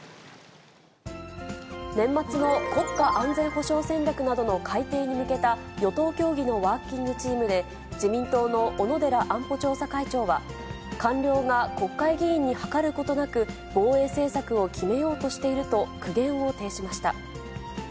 年末の国家安全保障戦略の改定に向けた与党協議のワーキングチームで、自民党の小野寺安保調査会長は、官僚が国会議員に諮ることなく、防衛政策を決めようとしていると苦言を呈しました。